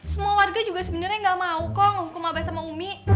semua warga juga sebenarnya gak mau kok menghukum abah sama umi